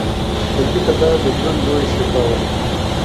ټپي ته باید د ژوند لویه شفا ورکړو.